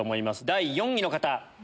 第４位の方。